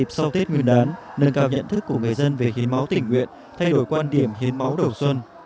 dịp sau tết nguyên đán nâng cao nhận thức của người dân về hiếm máu tình nguyện thay đổi quan điểm hiếm máu đầu xuân